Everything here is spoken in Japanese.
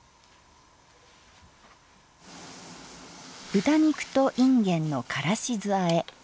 「豚肉といんげんのからし酢あえ」。